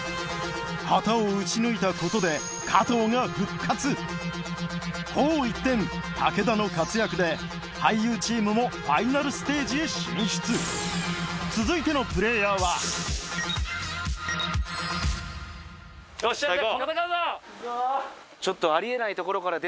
旗を撃ち抜いたことで加藤が紅一点武田の活躍で俳優チームもファイナルステージへ進出続いてのプレーヤーはよっしゃ戦うぞ！